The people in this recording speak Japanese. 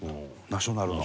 ナショナルの。